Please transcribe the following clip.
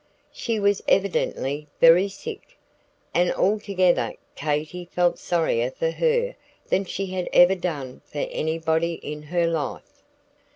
She was evidently very sick, and altogether Katy felt sorrier for her than she had ever done for anybody in her life.